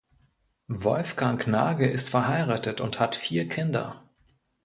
Wolfgang Nagel ist verheiratet und hat vier Kinder.